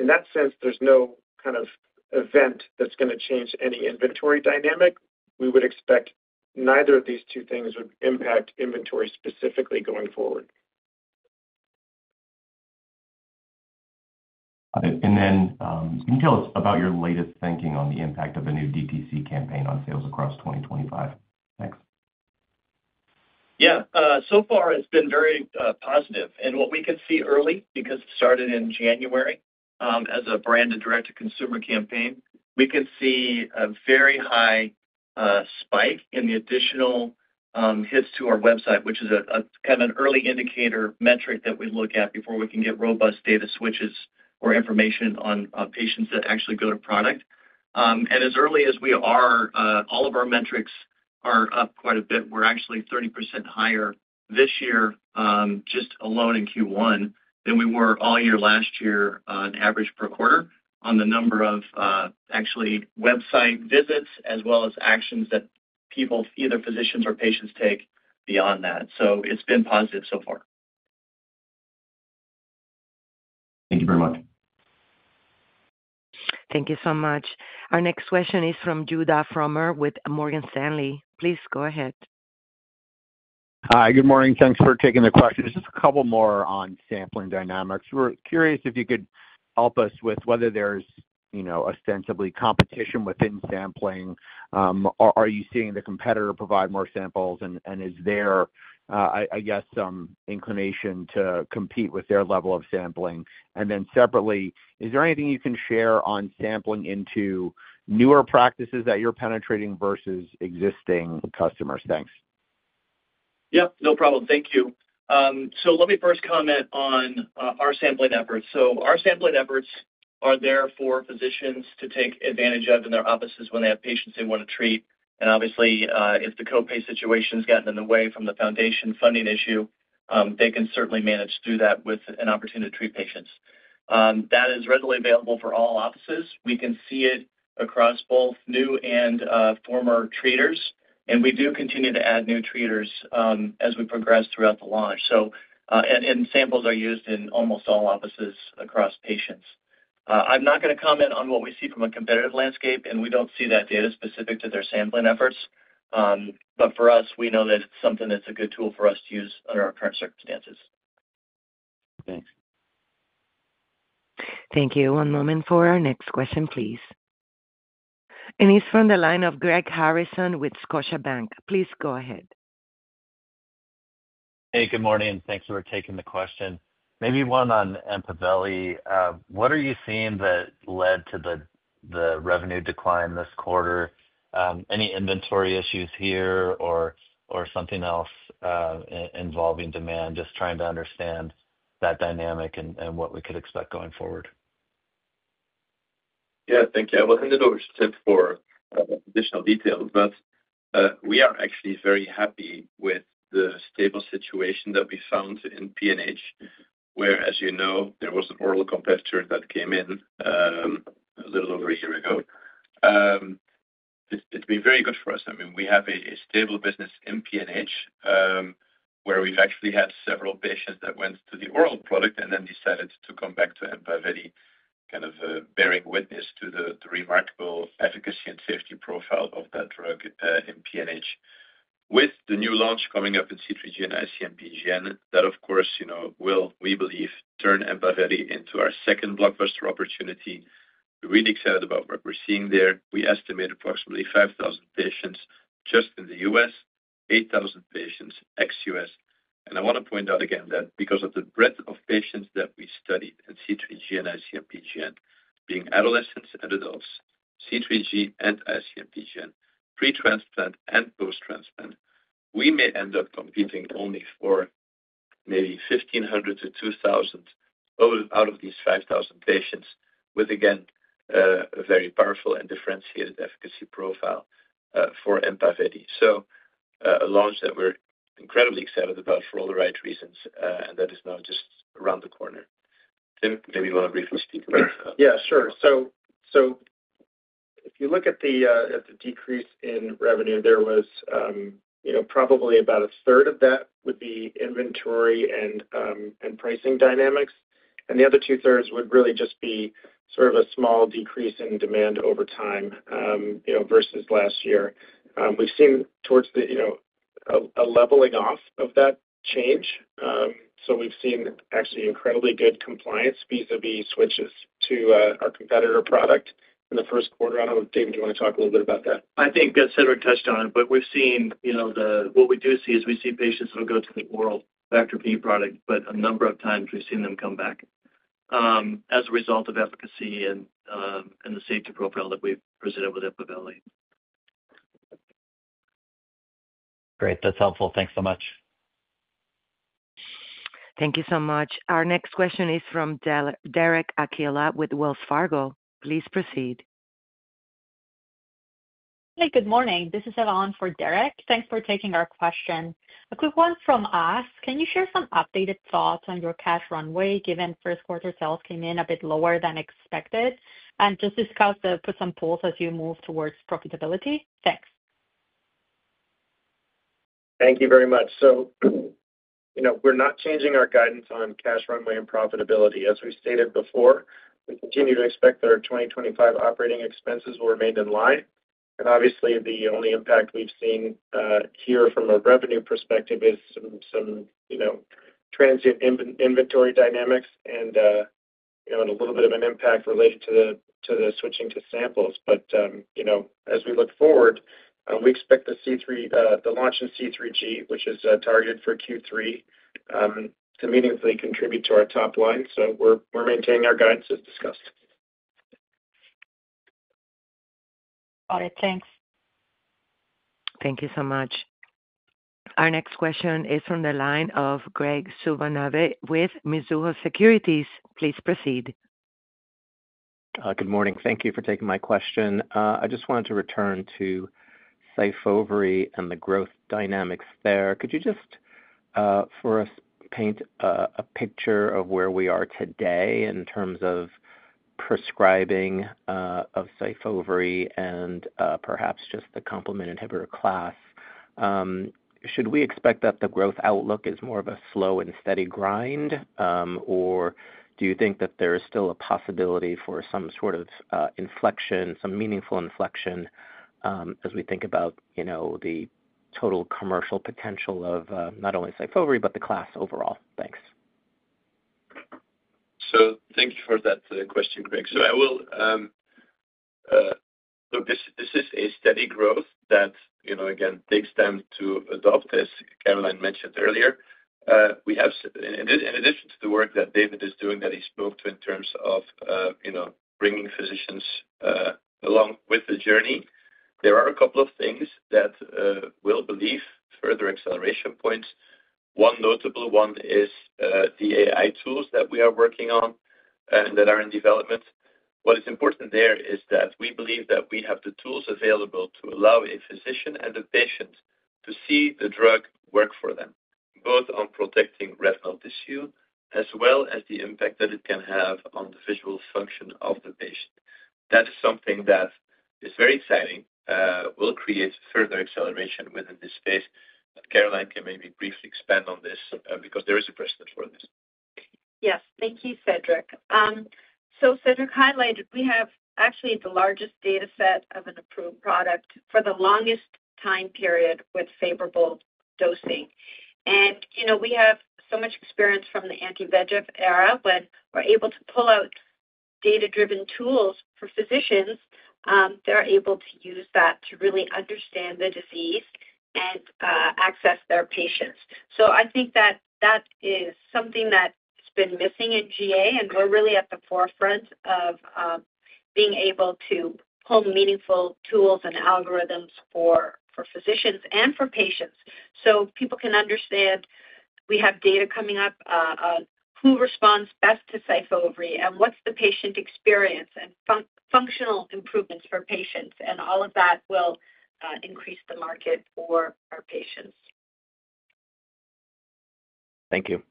In that sense, there's no kind of event that's going to change any inventory dynamic. We would expect neither of these two things would impact inventory specifically going forward. Got it. Can you tell us about your latest thinking on the impact of the new DTC campaign on sales across 2025? Thanks. Yeah. So far, it's been very positive. What we can see early, because it started in January as a branded direct-to-consumer campaign, we can see a very high spike in the additional hits to our website, which is kind of an early indicator metric that we look at before we can get robust data switches or information on patients that actually go to product. As early as we are, all of our metrics are up quite a bit. We're actually 30% higher this year just alone in Q1 than we were all year last year on average per quarter on the number of actually website visits as well as actions that people, either physicians or patients, take beyond that. It's been positive so far. Thank you very much. Thank you so much. Our next question is from Judah Frommer with Morgan Stanley. Please go ahead. Hi. Good morning. Thanks for taking the question. Just a couple more on sampling dynamics. We're curious if you could help us with whether there's ostensibly competition within sampling. Are you seeing the competitor provide more samples? Is there, I guess, some inclination to compete with their level of sampling? Separately, is there anything you can share on sampling into newer practices that you're penetrating versus existing customers? Thanks. Yep. No problem. Thank you. Let me first comment on our sampling efforts. Our sampling efforts are there for physicians to take advantage of in their offices when they have patients they want to treat. Obviously, if the copay situation has gotten in the way from the foundation funding issue, they can certainly manage through that with an opportunity to treat patients. That is readily available for all offices. We can see it across both new and former treaters. We do continue to add new treaters as we progress throughout the launch. Samples are used in almost all offices across patients. I'm not going to comment on what we see from a competitive landscape, and we do not see that data specific to their sampling efforts. For us, we know that it is something that is a good tool for us to use under our current circumstances. Thanks. Thank you. One moment for our next question, please. He is from the line of Greg Harrison with Scotiabank. Please go ahead. Hey, good morning. Thanks for taking the question. Maybe one on EMPAVELI. What are you seeing that led to the revenue decline this quarter? Any inventory issues here or something else involving demand? Just trying to understand that dynamic and what we could expect going forward. Yeah. Thank you. I will hand it over to Tim for additional details. We are actually very happy with the stable situation that we found in PNH, where, as you know, there was an oral competitor that came in a little over a year ago. It's been very good for us. I mean, we have a stable business in PNH where we've actually had several patients that went to the oral product and then decided to come back to EMPAVELI, kind of bearing witness to the remarkable efficacy and safety profile of that drug in PNH. With the new launch coming up in C3G and IC-MPGN, that, of course, will, we believe, turn EMPAVELI into our second blockbuster opportunity. We're really excited about what we're seeing there. We estimate approximately 5,000 patients just in the U.S., 8,000 patients ex-U.S. I want to point out again that because of the breadth of patients that we studied in C3G and IC-MPGN, being adolescents and adults, C3G and IC-MPGN, pretransplant and post-transplant, we may end up competing only for maybe 1,500-2,000 out of these 5,000 patients with, again, a very powerful and differentiated efficacy profile for EMPAVELI. A launch that we're incredibly excited about for all the right reasons, and that is now just around the corner. Tim, maybe you want to briefly speak about that? Yeah, sure. If you look at the decrease in revenue, there was probably about a third of that would be inventory and pricing dynamics. The other two-thirds would really just be sort of a small decrease in demand over time versus last year. We've seen towards a leveling off of that change. We've seen actually incredibly good compliance vis-à-vis switches to our competitor product in the first quarter. I don't know if David, you want to talk a little bit about that. I think that Cedric touched on it, but what we do see is we see patients that will go to the oral Factor V product, but a number of times we've seen them come back as a result of efficacy and the safety profile that we've presented with EMPAVELI. Great. That's helpful. Thanks so much. Thank you so much. Our next question is from Derek Archila with Wells Fargo. Please proceed. Hey, good morning. This is Evan for Derek. Thanks for taking our question. A quick one from us. Can you share some updated thoughts on your cash runway given first-quarter sales came in a bit lower than expected and just discuss the puts and pulls as you move towards profitability? Thanks. Thank you very much. We're not changing our guidance on cash runway and profitability. As we stated before, we continue to expect that our 2025 operating expenses will remain in line. Obviously, the only impact we've seen here from a revenue perspective is some transient inventory dynamics and a little bit of an impact related to the switching to samples. As we look forward, we expect the launch in C3G, which is targeted for Q3, to meaningfully contribute to our top line. We're maintaining our guidance as discussed. Got it. Thanks. Thank you so much. Our next question is from the line of Graig Suvannavejh with Mizuho Securities. Please proceed. Good morning. Thank you for taking my question. I just wanted to return to SYFOVRE and the growth dynamics there. Could you just for us paint a picture of where we are today in terms of prescribing of SYFOVRE and perhaps just the complement inhibitor class? Should we expect that the growth outlook is more of a slow and steady grind, or do you think that there is still a possibility for some sort of inflection, some meaningful inflection as we think about the total commercial potential of not only SYFOVRE, but the class overall? Thanks. Thank you for that question, Graig. I will look, this is a steady growth that, again, takes time to adopt as Caroline mentioned earlier. We have, in addition to the work that David is doing that he spoke to in terms of bringing physicians along with the journey, there are a couple of things that will believe further acceleration points. One notable one is the AI tools that we are working on and that are in development. What is important there is that we believe that we have the tools available to allow a physician and a patient to see the drug work for them, both on protecting retinal tissue as well as the impact that it can have on the visual function of the patient. That is something that is very exciting. We'll create further acceleration within this space. Caroline can maybe briefly expand on this because there is a precedent for this. Yes. Thank you, Cedric. Cedric highlighted we have actually the largest data set of an approved product for the longest time period with favorable dosing. We have so much experience from the anti-VEGF era, but we're able to pull out data-driven tools for physicians that are able to use that to really understand the disease and access their patients. I think that that is something that's been missing in GA, and we're really at the forefront of being able to pull meaningful tools and algorithms for physicians and for patients so people can understand we have data coming up on who responds best to SYFOVRE and what's the patient experience and functional improvements for patients. All of that will increase the market for our patients. Thank you.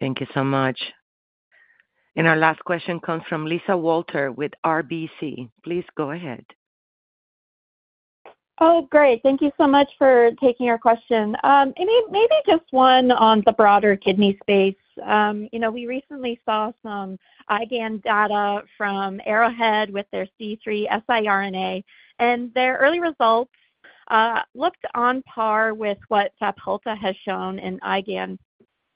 Thank you so much. Our last question comes from Lisa Walter with RBC. Please go ahead. Oh, great. Thank you so much for taking our question. Maybe just one on the broader kidney space. We recently saw some IgAN data from Arrowhead with their C3 siRNA, and their early results looked on par with what Apellis has shown in IgAN.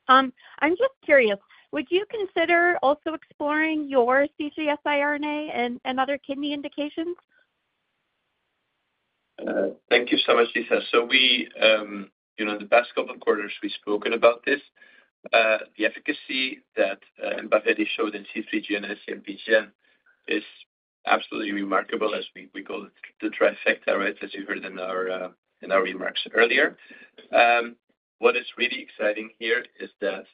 I'm just curious, would you consider also exploring your C3 siRNA in other kidney indications? Thank you so much, Lisa. In the past couple of quarters, we've spoken about this. The efficacy that EMPAVELI showed in C3G and IC-MPGN is absolutely remarkable, as we call it the trifecta, right, as you heard in our remarks earlier. What is really exciting here is that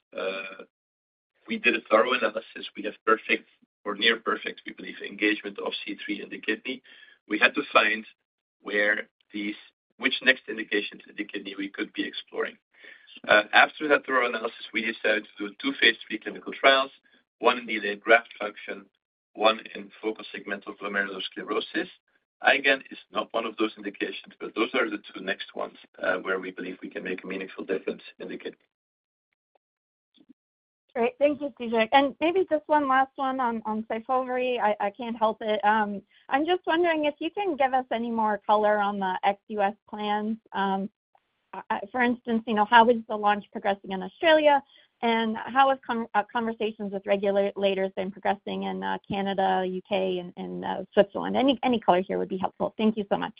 we did a thorough analysis. We have perfect or near perfect, we believe, engagement of C3 in the kidney. We had to find which next indications in the kidney we could be exploring. After that thorough analysis, we decided to do two phase three clinical trials, one in delayed graft function, one in focal segmental glomerulosclerosis. IgAN is not one of those indications, but those are the two next ones where we believe we can make a meaningful difference in the kidney. Great. Thank you, Cedric. Maybe just one last one on SYFOVRE. I can't help it. I'm just wondering if you can give us any more color on the ex-U.S. plans. For instance, how is the launch progressing in Australia? How have conversations with regulators been progressing in Canada, the U.K., and Switzerland? Any color here would be helpful. Thank you so much.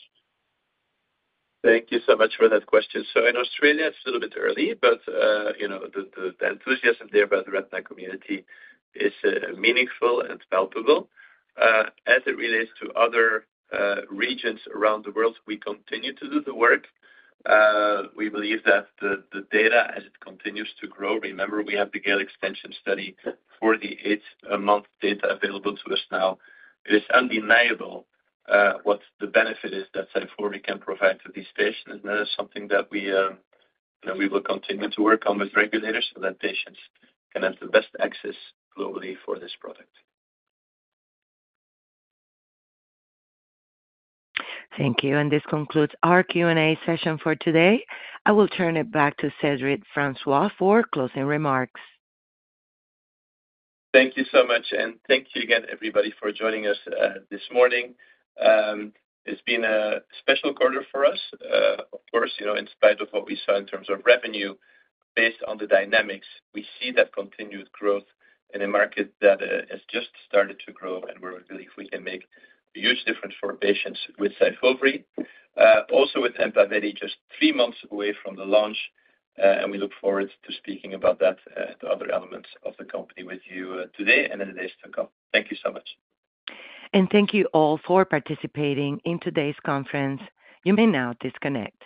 Thank you so much for that question. In Australia, it's a little bit early, but the enthusiasm there by the retina community is meaningful and palpable. As it relates to other regions around the world, we continue to do the work. We believe that the data, as it continues to grow, remember, we have the GALE extension study for the eight-month data available to us now. It is undeniable what the benefit is that SYFOVRE can provide to these patients. That is something that we will continue to work on with regulators so that patients can have the best access globally for this product. Thank you. This concludes our Q&A session for today. I will turn it back to Cedric Francois for closing remarks. Thank you so much. Thank you again, everybody, for joining us this morning. It has been a special quarter for us. Of course, in spite of what we saw in terms of revenue, based on the dynamics, we see that continued growth in a market that has just started to grow, and we believe we can make a huge difference for patients with SYFOVRE. Also, with EMPAVELI, just three months away from the launch, we look forward to speaking about that and other elements of the company with you today and in the days to come. Thank you so much. Thank you all for participating in today's conference. You may now disconnect.